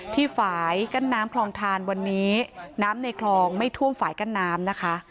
ฝ่ายกั้นน้ำคลองทานวันนี้น้ำในคลองไม่ท่วมฝ่ายกั้นน้ำนะคะ